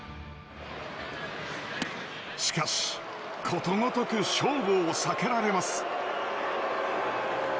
しかしことごとく勝負を避けられます。